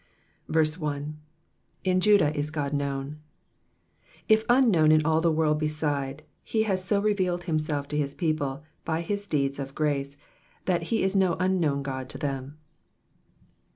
1. /n Jtidah is Ood hnown,^^ If unknown in all the world beside, he has so revealed himself to his people by his deeds of grace, that he is no unknown God to them.